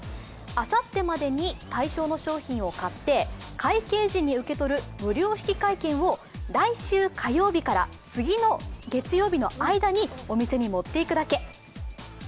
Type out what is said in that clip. あさってまでに対象の商品を買って会計時に受け取る無料引換券を来週火曜日から次の月曜日の間にお店に持って行くだけ。